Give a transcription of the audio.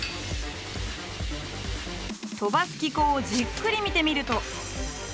飛ばす機構をじっくり見てみると。